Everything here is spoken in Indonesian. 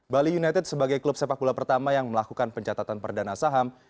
bali united sebagai klub sepak bola pertama yang melakukan pencatatan perdana saham